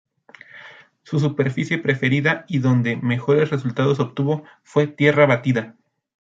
Su superficie preferida y donde mejores resultados obtuvo fue tierra batida.